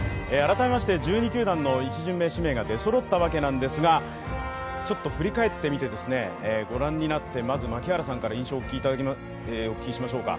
改めて１２球団の１巡目が出そろったわけですが、振り返ってみて、ご覧になってまず槙原さんから印象をお聞きしましょうか。